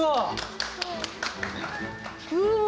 うわ！